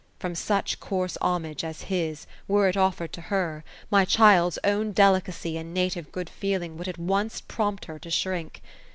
From such coarse homage as his, were it offered to her, my child's own delicacy and native good feeling would at once prompt her to shrink.